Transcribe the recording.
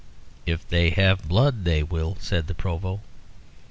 "If they have blood they will," said the Provost.